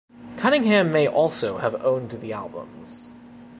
Cunningham may also have owned the albums.